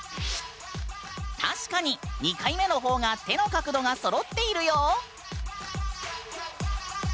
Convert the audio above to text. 確かに２回目の方が手の角度がそろっているよ！